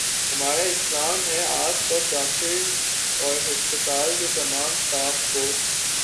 ہمارا سلام ہے آپ سب ڈاکٹرس اور ہسپتال کے تمام سٹاف کو